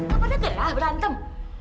kamu ada gerah berantem